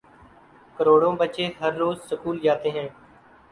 کروڑوں بچے ہر روزسکول جا تے ہیں۔